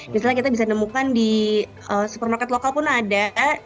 misalnya kita bisa nemukan di supermarket lokal pun ada